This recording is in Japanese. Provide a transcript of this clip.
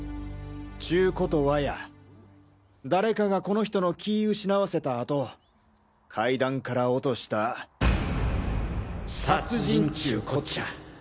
ちゅうことはや誰かがこの人の気ぃ失わせたあと階段から落とした殺人っちゅうこっちゃ！